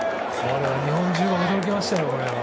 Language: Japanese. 日本中が驚きましたよ。